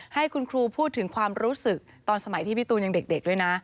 ให้คุณครูพูดถึงความรู้สึกตอนสมัยที่พี่ตูนยังเด็กด้วยนะ